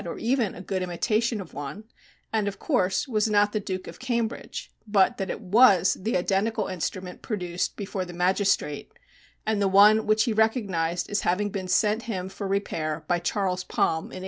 nor even a good imitation of one, and, of course, was not the "Duke of Cambridge," but that it was the identical instrument produced before the magistrate, and one which he recognized as having been sent him for repair by Charles Palm in 1885.